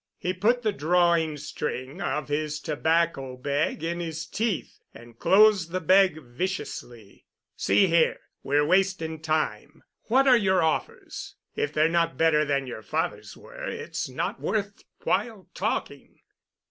He put the drawing string of his tobacco bag in his teeth and closed the bag viciously. "See here—we're wasting time. What are your offers? If they're not better than your father's were, it's not worth while talking."